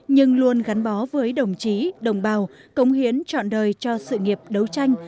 nhưng luôn gắn bó với đồng chí đồng bào cống hiến trọn đời cho sự nghiệp đấu tranh